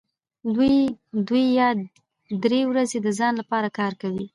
دوی دوې یا درې ورځې د ځان لپاره کار کوي